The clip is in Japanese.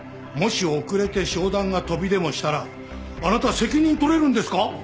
もし遅れて商談が飛びでもしたらあなた責任取れるんですか？